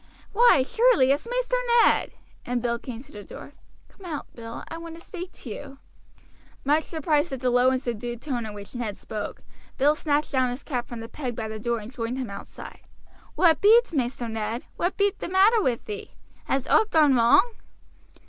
"Why, surely, it's Maister Ned!" and Bill came to the door. "Come out, Bill, I want to speak to you." Much surprised at the low and subdued tone in which Ned spoke, Bill snatched down his cap from the peg by the door and joined him outside. "What be't, Maister Ned? what be t' matter with thee? Has owt gone wrong?"